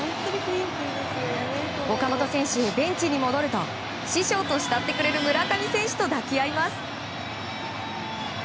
岡本選手、ベンチに戻ると師匠と慕ってくれる村上選手と抱き合います。